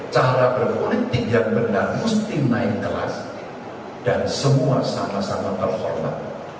cara berpolitik yang benar mesti naik kelas dan semua sama sama terhormat